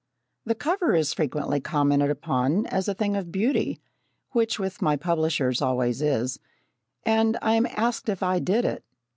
The cover is frequently commented upon as a thing of beauty (which with my publishers it always is), and I am asked if I did it.